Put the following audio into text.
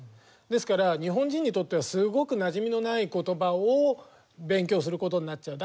ですから日本人にとってはすごくなじみのないことばを勉強することになっちゃう。